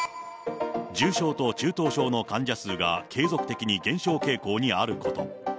重症と中等症の患者数が継続的に減少傾向にあること。